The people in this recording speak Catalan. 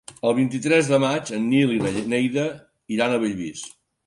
El vint-i-tres de maig en Nil i na Neida iran a Bellvís.